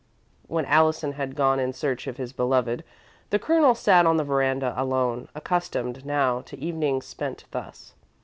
When Allison had gone in search of his beloved, the Colonel sat on the veranda alone, accustomed, now, to evenings spent thus.